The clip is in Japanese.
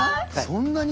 そんなに？